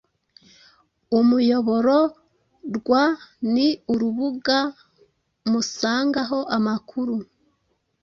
Umuyobororw ni urubuga musangaho amakuru